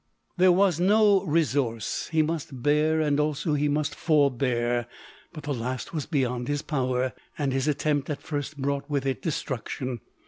There was no resource ; he must bear, and also he must forbear; — but the last was beyond his power, and his attempt at the first brought with it de struction.